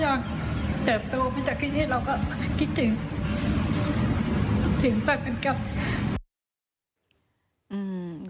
ถึงไปเป็นกัน